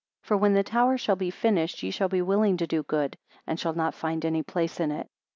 For when the tower shall be finished, ye shall be willing to do good, and shall not find any place in it.